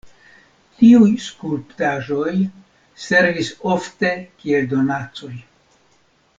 Tiuj skulptaĵoj servis ofte kiel donacoj.